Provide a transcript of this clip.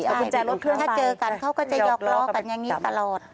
ถ้าเจอกันเขาก็จะหยอกล้อกันอย่างนี้ตลอด